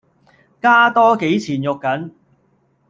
加多幾錢肉緊